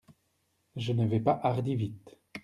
Je ne vais pas hardi vite.